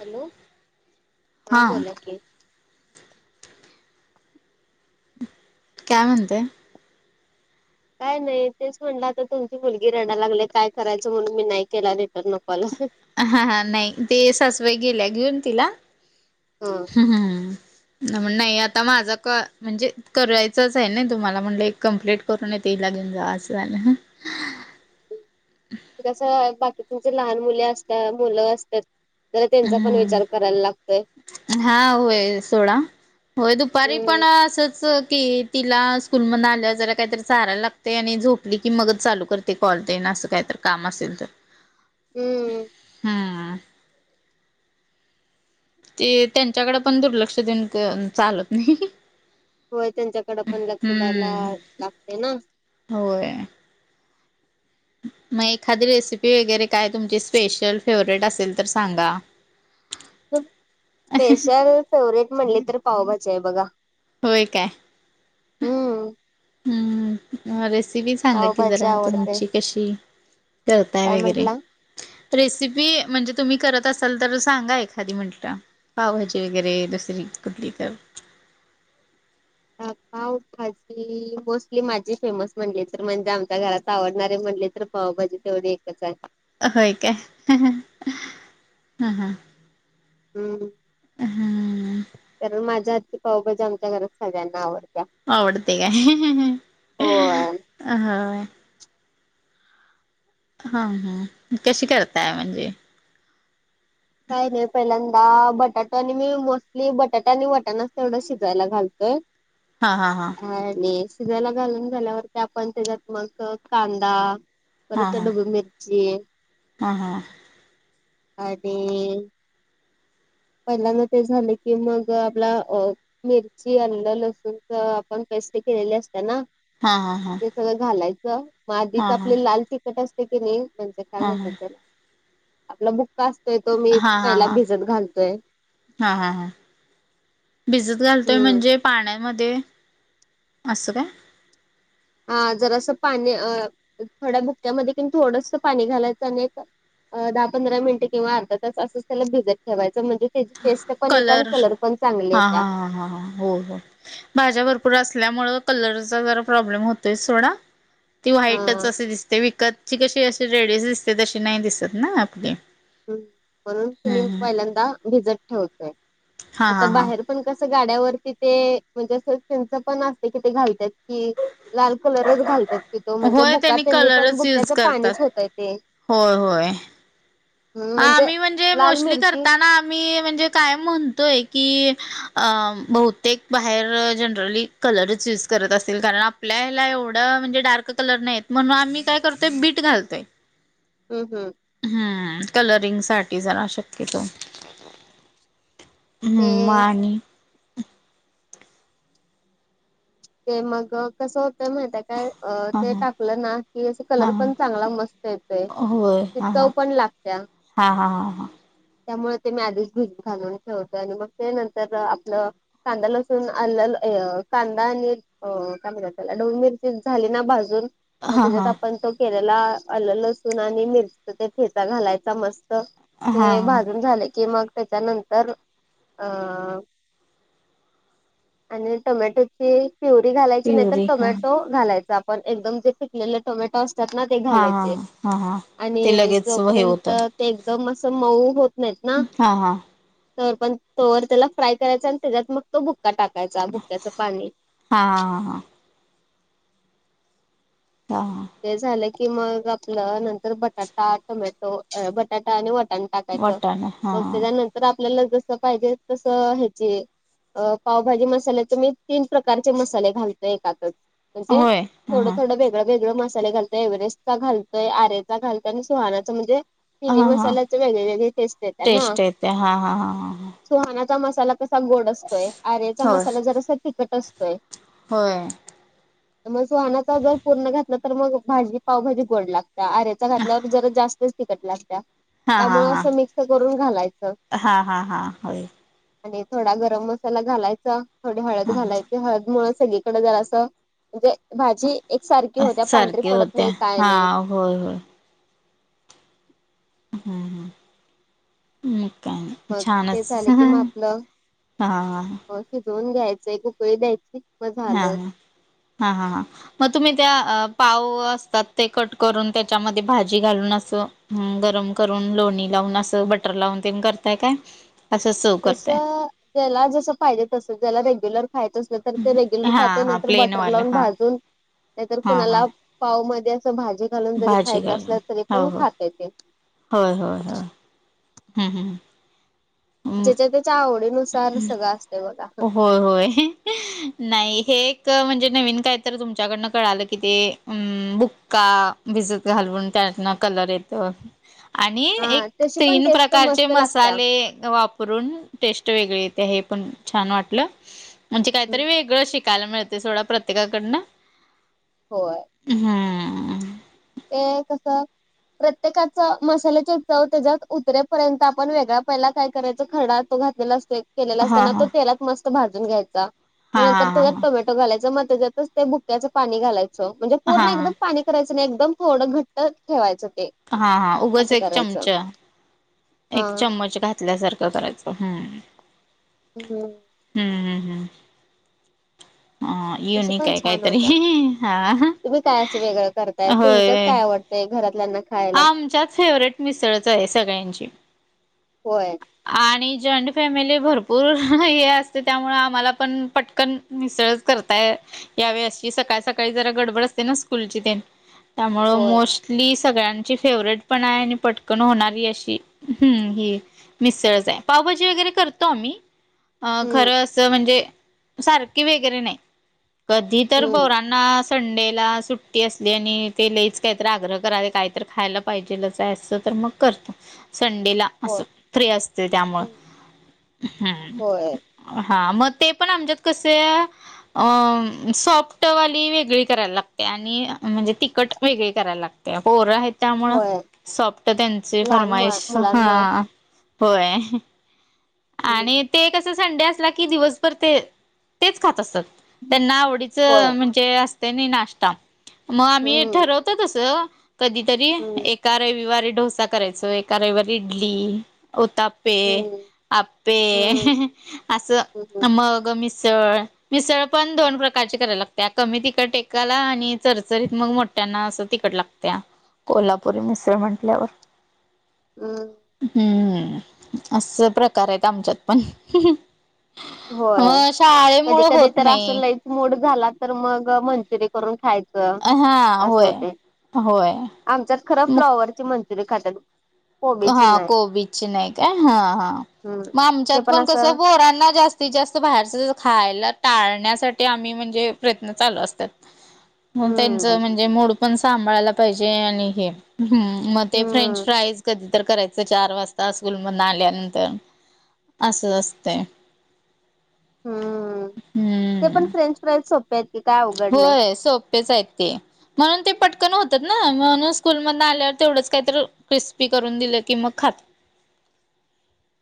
Hello! हा बोला की, का म्हणते काय नाही तेच म्हणलं तुमची आता मुलगी रडायला लागलेय काय करायचं म्हणून मी नाही केला रिटर्न कॉल. हा हा नाही ते सासूबाई गेल्या घेऊन तिला हमं म्हण नाही आता माझा कॉल म्हणजे करायचंच आहे ना तुम्हाला म्हणलं हे कंम्प्लीट करूनच ईला घेऊन जाउ असं झालं हं कसं बाकी तुमचे लहान मुली असता मुले असतेत जरा त्यांचा पण विचार करायला लागतो. हा होय सोडा होय दुपारी हम्म पण असच की, तिला स्कूल मधन आल्यावर जरा काहीतरी चारायला लागते आणि झोपली की मगच चालू करते कॉल तेन असं कायत तर काम असेल तर [inaudible] हम्म [inaudible] हा ते त्यांच्याकडे पण दुर्लक्ष देऊन क चालत नाही होय त्यांच्याकडे पण लक्ष द्यायला हम्म लागते ना होय.. मग एखादी रेसिपी वगैरे काय तुमची स्पेशल फेवरेट असेल तर सांगा. स्पेशल फेवरेट म्हणले तर पावभजी आहे बघा. होय काय? हम्म. हम्म रेसिपी सांगा की पावभाजी जरा आवडते तुमची. कशी करताय काय वगैरे. म्हंटला रेसिपी म्हणजे तुम्ही करत असाल तर सांगा एखादी म्हटलं. पावभाजी वगैरे दुसरी कुठली तर. [unintelligible] भाजी मोस्टली माझी फेमस म्हणले तर म्हणजे आमच्या घरात आवडणारे म्हणले तर पावभाजी तेवढी एकच आहे. होय काय ह ह. हम्म कारण माझ्या हातची पावभाजी आमच्या घरात सगळ्यांना आवडते. आवडते काय? होय. हा. हा हा, कशी करताय म्हणजे. काय नाही पहिल्यांदा बटाटू आणि मी मोस्टली बटाटा आणी वटाणच तेवढं शिजवायला घालतोय. [inaudible] हा हा हा. आणि शिजायला घालून झाल्यावरती आपण त्याच्यात मग कांदा परत डब्बू मिर्ची. हां हां हा. ते. पहिल्यांदा ते झालं की मग आपला अ मिरची, अल्ल, लसूण च आपण पेस्ट केलेली असत्या ना. हा हा हा ते सगळं घालायचं मग आधीच हा हा आपले लाल तिखट असते की नई म्हणजे काय हा हा म्हणतात त्याला आपला बुक्का असतोय तो मी हा हा हा पहिला भिजत घाल हा हा हा, भिजत घालतोय हम्म म्हणजे? पाण्यामध्ये, असं काय? हा जरास पाणी अ थोड्या बुक्यामध्ये कनी थोडंस पाणी घालायचं आणि अ दहा पंधरा मिनटे किंवा अर्धा तास असंच त्याला भिजत ठेवायचं म्हणजे त्याची टेस्ट पण येत आणि कलर पण चांगले हा येत्या. हा हा हा हा. हो हो, भाज्या भरपूर असल्यामुळ कलरचा जरा प्रॉब्लेम होतोय सोडा. ती हा व्हाईटच अशी दिसते विकतची कशी अशी रेडीश दिसते तशी नाही दिसत ना आपली. म्हणून हम्म [unintelligible] हम्म पहिल्यांदा भिजत ठेवतोय, हा आता हा हा बाहेर पण कस गाड्यावरती ते म्हणजे अस चिंंच पण असते कि ते घालत्यात की. लाल कलरच घालत्यात की तो म्हणजे होय बुका त्यांनी पण कलरच यूज बुक्याच करतात पाणीच होतय ते. होय होय, आम्ही म्हणजे लाल मोस्टली मिरची करताना मी म्हणजे कायम म्हणतोय की बहुतेक बाहेर जनरली कलरच युज करत असेल कारण आपल्या ह्याला एवढं म्हणजे डार्क कलर नाही येत म्हणून आम्ही काय कर ते बीट घालतोय. हम्म हम्म. हां कलरिंग साठी जरा शक्यतो. हम्म म ते आणि. ते मग कसं होतंय माहीत हाय काय हा ते हा टाकलं ना कि अस हा कलर हा पण चांगला मस्त येतय. होय हा हा, हा हा हा. त्यामुळ ते मी आधीच घालून ठेवतोय आणि मग ते नंतर आपलं कांदा, लसूण, अल्लं, य कांदा आणि हो काय म्हणत्यात त्याला ढबू मिरची झाली ना भाजून म हा हा त्याच्यात हा आपण तो केलेला अल्ल, लसूण आणि मिरचीचा ते ठेचा घालायचा मस्त. हा ते हा भाजून झाल की मग त्याच्यानंतर अं आणि टोमॅटोची प्युरी घालायची नाही तर प्युरी हा टोमॅटो घालायच आपण एकदम जे पिकलेले टोमॅटो असतात ना ते हा हा घालायचे हा हा ते आणि लगेच हे तोपर्यंत होतात ते एकदम असं मऊ होत नाहीत ना हा हा तोवर पण तोवर त्याला फ्राय करायचा आणि त्याच्यात मग तो भुक्का टाकायचा भुक्क्याचं पाणी हा ह हा हा. हा हा. ते झालं की मग आपलं नंतर बटाटा, टोमॅटो, बटाटा आणि वाटाणा टाकायच वाटाणा हा मग त्याच्यानंतर आपल्याला जस पाहिजे तस ह्याची अ पावभाजी मसाल्याचे मी तीन प्रकारचे मसाले घालते एकातच म्हणजे होय हा थोडं हा थोड वेगळं वेगळं पण मसाले घालतोय एवरेस्ट चा घालतोय, आरेचा घालतोय, आणि सुहाणाचा म्हणजे तिन्ही हा हा मसाल्याचे वेगळे वेगळे टेस्ट येतिया ना टेस्ट येते हा हा हा हा हा सुहानाचा मसाला कसा गोड असतोय. आर्याचा होय मसाला जरासा तिखट असतोय. होय. मग सुहानाचा जर पूर्ण घातला तर मग भाजी पावभाजी गोड लागते. आरेचा घातल्यावर जरा जास्तच तिखट लागत्या. हा हा त्यामुळे हा असं मिक्स करून घालायचं. हा हा हा होय आणि थोडा गरम मसाला घालायचा थोडी हळद घालायच हळद मुळ सगळी कड जरास म्हणजे भाजी एक सारखी सारखी होतीया हा होय होय. हा हा. म काय मग ते छानच झालं की हा मग आपलं हा शिजवून घ्यायचं एक उकळी द्यायची. मग हा झालं हा हा हा हा. मग तुम्ही त्या पाव असतात ते कट करून त्याच्यामध्ये भाजी घालून अस हम्म गरम करून लोणी लावून असं बटर लावून तेन करताय काय? असं सव तस करताय त्याला जस पाहिजे तसं ज्याला रेग्युलर खायच असल तर ते रेग्युलर हा खातोय हा नाही तर प्लेन बटर वालं लावून हा भाजून नाहीतर हा हा कुणाला पाव मध्ये अस भाजी घालून जरी भाजी खायचं घालून असल तरी हो पण हो खातय ते होय होय होय हं हं ज्याच्या त्याच्या आवडीनुसार सगळं असतय बघा. होय होय. [inaudible] नाही हे एक म्हणजे नवीन काय तर तुमच्याकडनं कळालं कि ते अम बुक्का भिजत घालवून त्यांना कलर येतो आणि हा एक तशी पण तीन टेस्ट प्रकारचे मस्त लागत्या. मसाले वापरून टेस्ट वेगळी येते हे पण छान वाटलं. म्हणजे काहीतरी वेगळं शिक कायला मिळतेय सोडा प्रत्येकाकडनं होय ह हा ते कसं? प्रत्येकाचं मसाल्याचे चव त्याच्यात उतरेपर्यंत आपण वेगळ्या पहिला काय करायचं, खर्डा तो घात केलं असतंय केलेला हा असताना हा तो तेलात मस्त भाजून घ्यायचा पण हा नंतर हा हा त्यात टोमॅ घालायचं मग त्याच्यातच ते बुक्याच पाणी घालायचं म्हणजे हा पूर्ण एकदम हा पाणी करायचं नाही एकदम थोडं घट्टचं ठेवायचं ते. हा हा उगच असं एक करायचं चमचा एक हा. चम्मच घातल्यासारखं करायचं, हम्म [unintelligible] हम्म हम्म हम्म हं [inaudible] तशी युनिक पण आहे छान काहीतरी होत्या. [inaudible] हा तुम्ही [inaudible] होय. ते घरातल्याच आमच्यात फेवरेट मिसळच आहे सगळ्यांची. होय, [inaudible] आणि जॉईंट फॅमिली आहे भरपूर हे असते त्यामुळे आम्हाला पण पटकन मिसळच करताय. या वेळेशी सकाळ-सकाळी जरा गडबड असते ना स्कूलची तेन त्यामुळ होय, मोस्टली सगळ्यांची फेवरेट पण आहे आणि पटकन होणारी अशी ही मिसळच हाय. पावभाजी वगैरे करतो आम्ही अं हम्म, खरं असं म्हणजे सारखी वेगैरे नाही कधी तर हम्म, पोराण ना संडे ला सुट्टी असली आणि ते लईच काहीतरी आग्रह कराले काय तर खायला पाहिजेलच आहे असं तर मग करतो संडेला. होय, असं फ्री असते त्यामुळं हम्म. [inaudible] हम्. होय, हा मग ते पण आमच्यात कसं अं सॉफ्टवाली वेगळी करायला लागतीया आणि म्हणजे तिखट वेगळी करायला लागतीया. पोरं खाईत त्यामुळं होय. सॉफ्ट त्यांची लहान मुळ फरमाईश मुलांमुळं हा होय. हम्म, आणि ते कसं संडे असला की, दिवसभर ते तेच खात असतात. त्यांना होय, आवडीचं म्हण ते असतंय नई नाष्टा, मग आम्ही हम्म, ठरवतो तसं कधीतरी एक हम्म, एका रविवारी डोसा करायचो, एका रविवारी इडली, उत्तापे हम्म, आप्पे हम्म, असं हम्म, मग मिसळ मिसळ पण दोन प्रकारची करायला लागतीया कमी तिखट एकाला आणि चरचरीत मग मोठ्यांना असं तिखट लागतं. त्या कोल्हापुरी मिसळ म्हंटल्यावर [inaudible] अं हम्म, असं प्रकार आहेत आमच्यात पण. हो होय. कधी शाळेमुळ कधी होत तर असं नाही. लईच मूड झाला तर मग मंचुरी करून खायचा. गं हा असं होय होतय. होय [inaudible] आमच्यात खरं मग फ्लॉवरची मंचुरी खातात. हा कोबीची नाही काय? हा हा हम्म. मग आमच्यात ते पण कसं असं पोरांना कसं ती जास्त बाहेरच खायला टाळण्यासाठी आम्ही म्हणजे प्रयत्न चालू असतात. हो हम्म, त्यांचं म्हणजे मूड पण सांभाळायला पाहिजे आणि हे म ते फ्रेंच हम्म, फ्राईज कधी तर करायचं चार वाजता स्कूलमधून आल्यानंतर [inaudible] असं असतंय. हम्म, ते हम्म पण फ्रेंच फ्राईज सोपे आहेत. की काय अवघड नाही. होय सोप्पेच आहेत ते. म्हणून ते पटकन होतात ना म्हणून स्कूल मधन आल्यावर तेवढंच काही तर क्रिस्पी करून दिलं की मग खात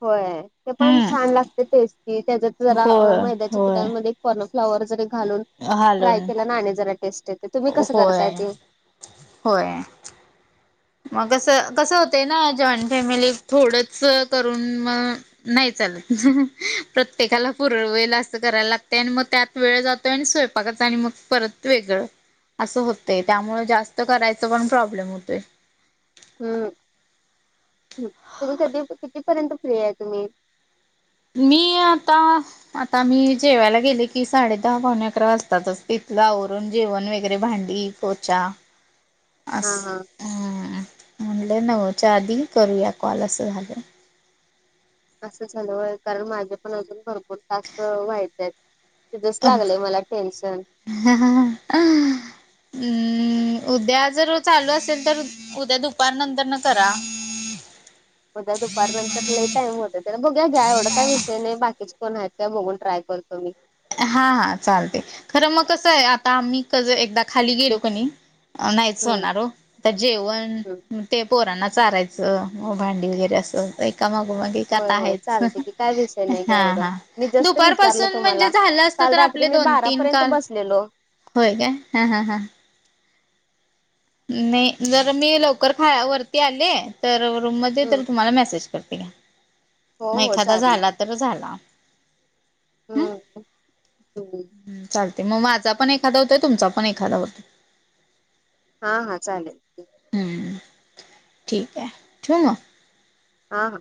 होय ते पण हम्म छान लागतंय टेस्टी त्याच्यात जरा होय मैद्याच्या होय पिठामध्ये कॉनफ्लॉवर जरी घालून फ्राय हालून केल ना आणि जरा टेस्ट येते तुम्ही कसं करताय होय ते? होय. मग कस कसं होतंय ना जॉईंट फॅमिलीत थोडंच करून मग नाही चालत प्रत्येकाला पुरवेल असं करायला लागते आणि मग त्यात वेळ जातोय आणि स्वयंपाकच आणि मग परत वेगळं असं होतंय त्यामुळे जास्त करायचं पण प्रॉब्लेम होतोय. हम्म तुम्ही कधी, कितीपर्यंत फ्री आहे तुम्ही? मी आता आता मी जेवायला गेले की साडे दहा, पावणे अकरा वाजताच तिथलं आवरून जेवण वगैरे भांडी पोछा [unintelligible] अस हा हा अ म्हणले नऊच्या आधी करूया कॉल असं झालं. असं झालं होय कारण माझे पण अजून भरपूर टाॅस्क व्हायचे आहेत. तिथचं लागलंय मला टेन्शन ह ह ह. हम् उद्या जर चालू असेल तर उद्या दुपार नंतर न करा. उद्या दुपार नंतर लई टाईम होतय बघूया घ्या एवढं काय विषय नाही बाकीचे कोण आहेत काय बघून ट्राय करतो मी. हा हा चालते खरं मग कसं आहे आता आम्ही क एकदा खाली गेलो कणी नाहीच हम्म होणार. त्यात जेवण हम्म. ते पोरांना चारायचं भांडी वगैरे असं. एका मागो मागं होय होय आहेच चालते की काय विषय नाही का हा एवढं हा मी जस्ट दुपार विचारलं पासून म्हणजे तुम्हाला झालं असत तर आपले दोन तीन काल ऊठलेलो. होय काय हां हां हां. नाही जर मी लवकर खा वरती आले तर रूममध्ये हम्म तर तुम्हाला मेसेज कर. करते. हो मग हो एखादा चालेल झाला तर झाला हम् हम्. ह चालतंय मग माझा पण एखादा होतोय तुमचा पण एखादा होतोय. हा हा चालेल. हम्म ठीक आहे ठेऊ मग हा हा.